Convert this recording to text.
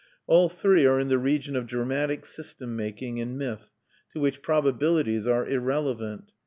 All three are in the region of dramatic system making and myth to which probabilities are irrelevant.